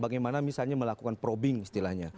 bagaimana misalnya melakukan probing istilahnya